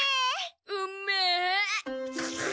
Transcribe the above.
うめえ！